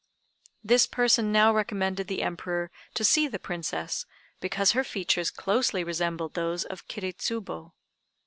This person now recommended the Emperor to see the Princess, because her features closely resembled those of Kiri Tsubo.